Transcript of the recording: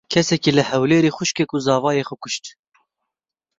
Kesekî li Hewlêrê xwîşkek û zavayê xwe kuşt.